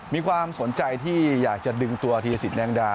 มีความสนใจที่อยากจะดึงตัวทีศิลป์แน่งดา